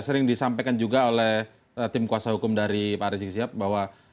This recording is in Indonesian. sering disampaikan juga oleh tim kuasa hukum dari pak rizik sihab bahwa